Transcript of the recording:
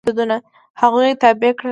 هغوی یې تابع کړل.